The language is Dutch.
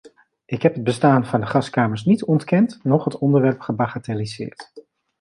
Ik heb het bestaan van de gaskamers niet ontkend, noch het onderwerp gebagatelliseerd.